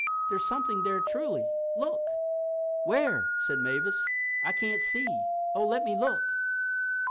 There's something there truly. Look!" "Where?" said Mavis. "I can't see—oh, let me look."